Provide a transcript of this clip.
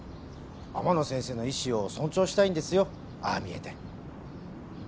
天野先生の意思を尊重したいんですよああ見えて。